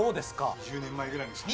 ２０年前ぐらいの写真。